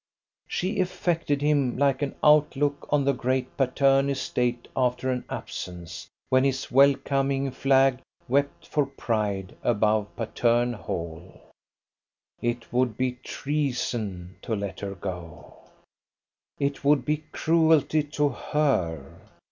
She affected him like an outlook on the great Patterne estate after an absence, when his welcoming flag wept for pride above Patterne Hall! It would be treason to let her go. It would be cruelty to her.